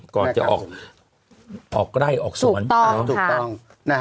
ก่อนจะออกใกล้ออกสวน